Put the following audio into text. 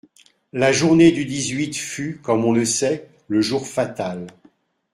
La journée du dix-huit fut, comme l'on sait, le jour fatal.